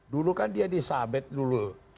dulu kan dia disabet dulu